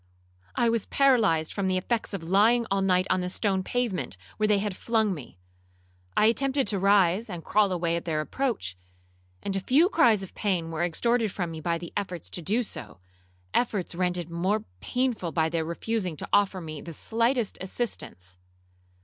'—'I was paralyzed from the effects of lying all night on the stone pavement, where they had flung me. I attempted to rise and crawl away at their approach, and a few cries of pain were extorted from me by my efforts to do so—efforts rendered more painful by their refusing to offer me the slightest assistance.